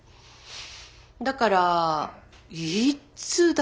だからいつだろう